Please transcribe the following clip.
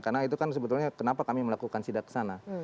karena itu kan sebetulnya kenapa kami melakukan sidak sana